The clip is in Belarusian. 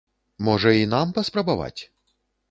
Можа і нам паспрабаваць?